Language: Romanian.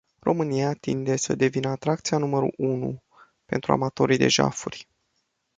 România tinde să devină atracția numărul unu pentru amatorii de jafuri.